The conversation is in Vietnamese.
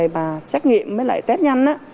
mà xét nghiệm với lại test nhanh